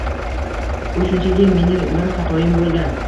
Bu shunchaki mening bir xatoyim boʻlgan.